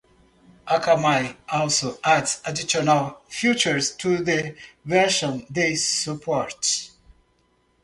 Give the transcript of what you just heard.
Akamai also adds additional features to the version they support.